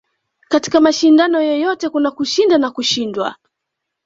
katika mashindano yoyote kuna kushinda na kushindwa